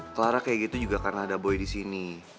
clara kayak gitu juga karena ada boy disini